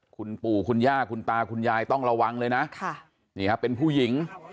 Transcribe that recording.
คุณปู่คุณย่าคุณตาคุณยายต้องระวังเลยนะค่ะนี่ฮะเป็นผู้หญิง